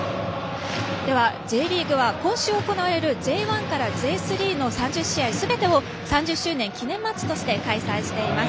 Ｊリーグは今週行われるＪ１からＪ３の３０試合すべてを３０周年記念マッチとして開催しています。